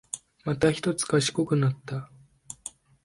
またひとつ賢くなった